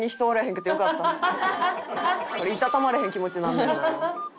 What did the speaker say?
「これいたたまれへん気持ちになんねんな」